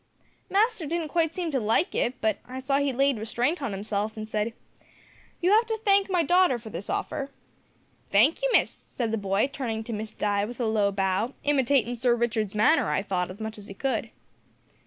Master didn't quite seem to like it, but I saw he laid restraint on himself and said: `You have to thank my daughter for this offer ' "`Thank you, Miss,' said the boy, turnin' to Miss Di with a low bow, imitatin' Sir Richard's manner, I thought, as much as he could.